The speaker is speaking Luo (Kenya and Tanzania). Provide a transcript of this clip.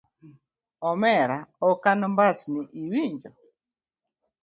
Omera ok anmbasni iwinjo